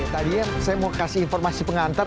tadinya saya mau kasih informasi pengantar